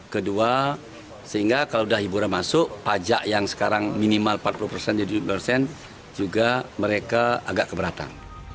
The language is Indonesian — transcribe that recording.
kedua sehingga kalau sudah hiburan masuk pajak yang sekarang minimal empat puluh persen jadi dosen juga mereka agak keberatan